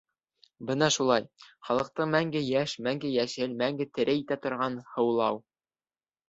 Бына шулай — халыҡты мәңге йәш, мәңге йәшел, мәңге тере итә торған һыулау.